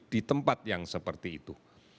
di tempat yang seperti itu